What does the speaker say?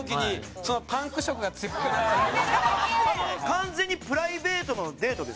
完全にプライベートのデートですよね？